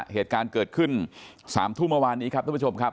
เหตุการณ์เกิดขึ้น๓ทุ่มเมื่อวานนี้ครับทุกผู้ชมครับ